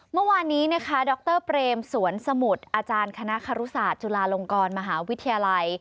เมื่อวานนี้นะคะดรเปรมสวนสมุทรอาจารย์คณะคารุศาสตร์จุฬาลงกรมหาวิทยาลัย